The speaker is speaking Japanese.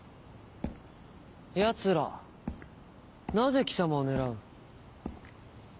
ヤツらなぜ貴様を狙う？